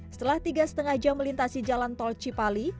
setelah tiga lima jam melintasi jalan tol cipali